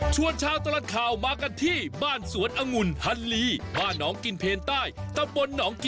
ชวนเช้าตลัดข่าวมากันที่บ้านสวนองุณฮันลีบ้านน้องกินเพลนใต้